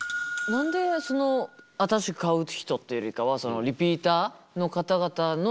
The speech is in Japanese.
何でその新しく買う人っていうよりかはリピーターの方々の重視になってるんですか？